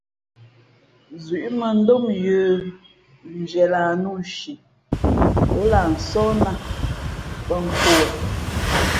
Zʉ̌ʼ mᾱndóm yə̌ nzhie lah nnū nshi ǒ lah nsóhnā bᾱ nkō wen.